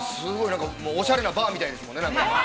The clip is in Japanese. なんか、おしゃれなバーみたいですね。